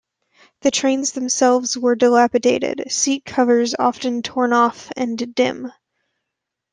The trains themselves were dilapidated, seat covers often torn off, and dim.